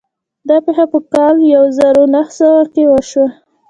دا پېښه په کال يو زر و نهه سوه کې وشوه.